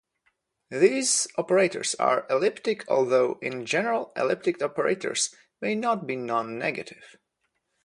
These operators are elliptic although in general elliptic operators may not be non-negative.